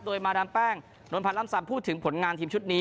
โดยมาดามแป้งนวลพันธ์ล่ำซำพูดถึงผลงานทีมชุดนี้